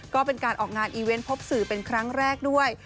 ก็เป็นการออกงานอีเวนต์พบสื่อเป็นครั้งแรกด้วย